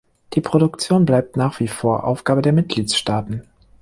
Die Produktion bleibt nach wie vor Aufgabe der Mitgliedstaaten.